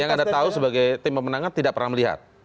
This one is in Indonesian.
yang anda tahu sebagai tim pemenangan tidak pernah melihat